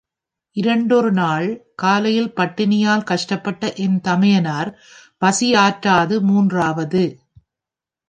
இரண்டொரு நாள் காலையில் பட்டினியால் கஷ்டப்பட்ட என் தமயனார் பசியாற்றாது மூன்றாவது!